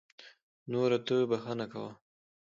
نورو ته بښنه کوه .